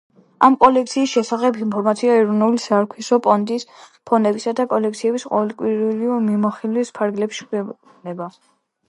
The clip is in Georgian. ამ კოლექციის შესახებ ინფორმაცია ეროვნული საარქივო ფონდის ფონდებისა და კოლექციების ყოველკვირეული მიმოხილვის ფარგლებში ქვეყნდება.